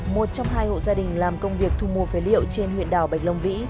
một trong hai hộ gia đình làm công việc thu mua phế liệu trên huyện đảo bạch long vĩ